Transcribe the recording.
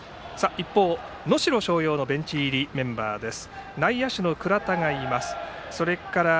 一方、能代松陽のベンチ入りメンバーです。